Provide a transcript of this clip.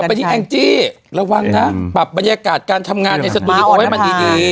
ไปที่แองจี้ระวังนะปรับบรรยากาศการทำงานในสตูดิโอให้มันดี